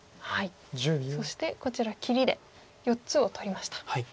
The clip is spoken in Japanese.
そしてこちら切りで４つを取りました。